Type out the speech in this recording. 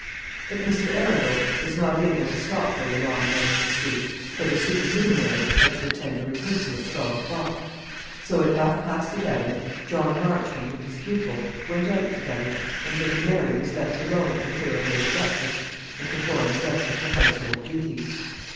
But Mr. Arundel was not able to stop very long in Oakley Street, for the supernumerary had to attend a rehearsal at twelve o'clock; so at half past eleven John Marchmont and his pupil went out together, and little Mary was left alone to clear away the breakfast, and perform the rest of her household duties.